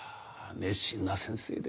熱心な先生でした。